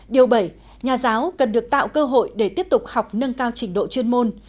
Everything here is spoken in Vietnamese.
điều bảy nhà giáo cần được tạo cơ hội để tiếp tục học nâng cao trình độ chuyên môn